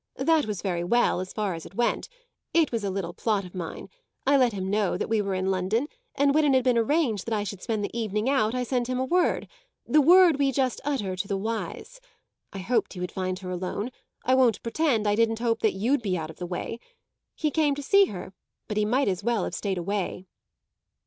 That was very well, as far as it went. It was a little plot of mine; I let him know that we were in London, and when it had been arranged that I should spend the evening out I sent him a word the word we just utter to the 'wise.' I hoped he would find her alone; I won't pretend I didn't hope that you'd be out of the way. He came to see her, but he might as well have stayed away."